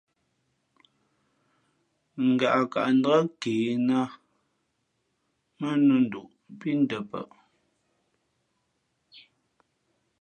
Ngaʼkaʼ ndāk ke nā mά nū nduʼ pí ndαpαʼ.